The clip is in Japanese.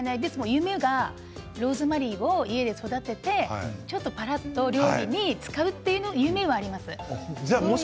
夢はローズマリーを家で育ててちょっと変わったお料理に使うっていう夢があります。